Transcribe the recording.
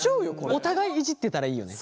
お互いいじってたらいいよね。